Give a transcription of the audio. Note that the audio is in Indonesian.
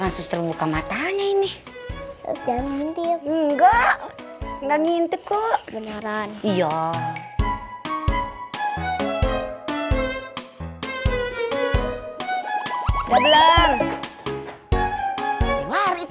enggak ngintip kok beneran iya